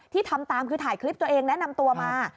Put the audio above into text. ทำตามคือถ่ายคลิปตัวเองและนำตัวมา